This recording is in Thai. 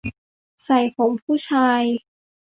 ใส่ผมผู้ชาย